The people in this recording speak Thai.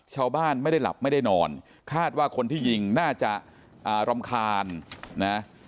ชาวบ้านไม่ได้หลับไม่ได้นอนคาดว่าคนที่ยิงน่าจะรำคาญนะ